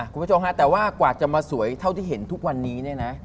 คุณผู้ชมฮะแต่ว่ากว่าจะมาสวยเท่าที่เห็นทุกวันนี้เนี่ยนะ